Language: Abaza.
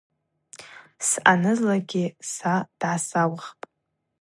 Съанызлакӏгьи са дгӏасаухпӏ.